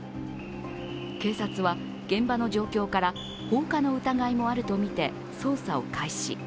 警察は現場の状況から放火の疑いもあると見て捜査を開始。